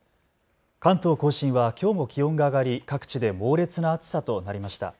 関東甲信はきょうも気温が上がり各地で猛烈な暑さとなりました。